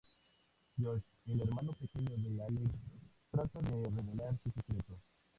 Josh el hermano pequeño de Alex trata de develar su secreto.